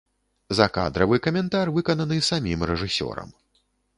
Закадравы каментар выкананы самім рэжысёрам.